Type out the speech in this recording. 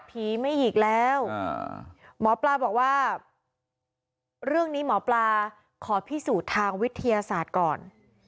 ไม่อีกแล้วหมอปลาบอกว่าเรื่องนี้หมอปลาขอพิสูจน์ทางวิทยาศาสตร์ก่อน